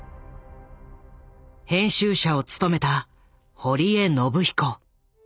編集者を務めた堀江信彦。